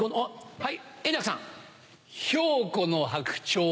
はい。